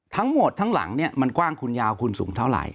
ทั้งหมดทั้งหลังเนี่ยมันกว้างคุณยาวคุณสูงเท่าไหร